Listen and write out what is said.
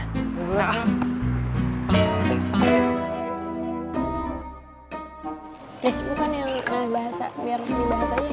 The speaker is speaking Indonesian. nih gue kan yang nulis bahasa biar dibahas aja nih